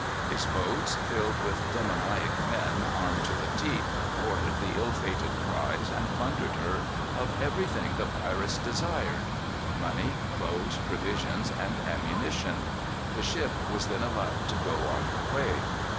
His boats, filled with demoniac men armed to the teeth, boarded the ill fated prize, and plundered her of everything the pirates desired, money, clothes, provisions, and ammunition. The ship was then allowed to go on her way.